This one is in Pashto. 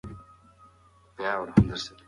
غلام په ډېر تواضع سره وویل چې زه د الله بنده یم.